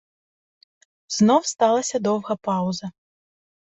Знов сталася довга пауза.